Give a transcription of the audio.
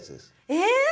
えっ！